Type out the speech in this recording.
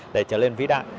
để trở lên vĩ đại